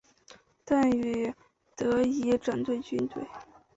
邓禹得以整顿军队。